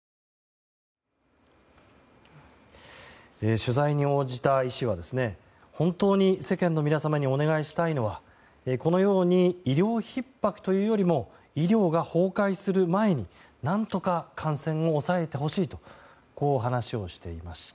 取材に応じた医師は本当に世間の皆様にお願いしたいのは医療ひっ迫というよりも医療が崩壊する前に何とか感染を抑えてほしいとこう話をしていました。